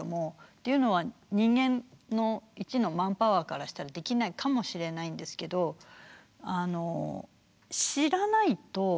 というのは人間の１のマンパワーからしたらできないかもしれないんですけどあの知らないと。